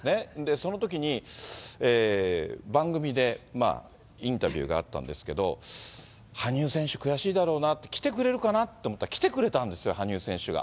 そのときに、番組でインタビューがあったんですけど、羽生選手、悔しいだろうなって、来てくれるかなと思ったら、来てくれたんですよ、羽生選手が。